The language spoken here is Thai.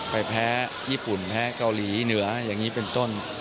แพ้ญี่ปุ่นแพ้เกาหลีเหนืออย่างนี้เป็นต้น